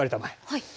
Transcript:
はい。